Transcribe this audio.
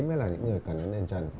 mới là những người cần đến đền trần